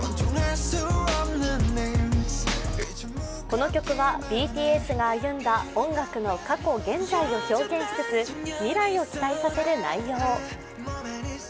この曲はＢＴＳが歩んだ音楽の過去、現在を表現しつつ未来を期待させる内容。